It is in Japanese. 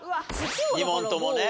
２問ともね。